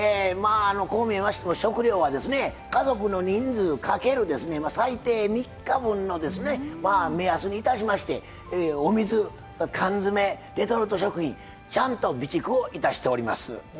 こう見えましても食料は家族の人数掛ける最低３日分の目安にいたしましてお水、缶詰、レトルト食品ちゃんと備蓄をいたしております。